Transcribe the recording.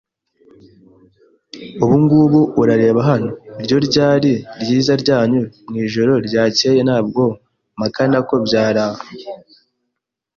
ubungubu, urareba hano, iryo ryari ryiza ryanyu mwijoro ryakeye. Ntabwo mpakana ko byari a